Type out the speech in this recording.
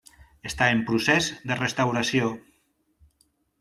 Està en procés de restauració.